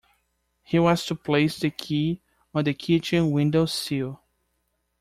He was to place the key on the kitchen window-sill.